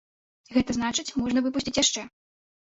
Гэта значыць, можна выпусціць яшчэ.